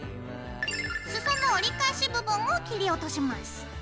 裾の折り返し部分を切り落とします。